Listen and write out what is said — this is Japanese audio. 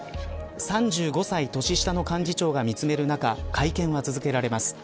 ３５歳年下の幹事長が見つめる中会見は続けられます。